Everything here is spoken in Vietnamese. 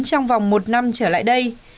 trong vòng một năm trở lại đây